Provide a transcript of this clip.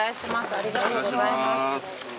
ありがとうございます。